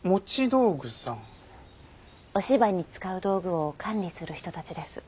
お芝居に使う道具を管理する人たちです。